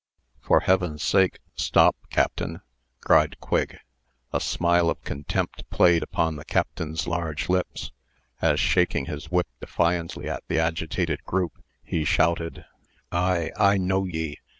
"For heaven's sake, stop, Captain!" cried Quigg. A smile of contempt played upon the Captain's large lips, as, shaking his whip defiantly at the agitated group, he shouted: "I I know ye.